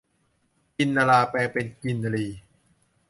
กินนราแปลงเป็นกินนรี